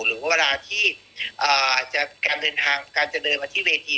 หรือว่าเวลาที่การเดินทางการจะเดินมาที่เวที